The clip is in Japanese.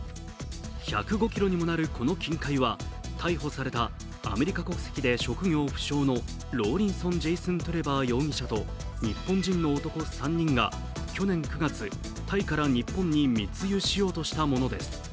１０５ｋｇにもなるこの金塊は逮捕されたアメリカ国籍で職業不詳のローリンソン・ジェイスン・トゥレパー容疑者と日本人の男３人が去年９月、タイから日本に密輸しようとしたものです。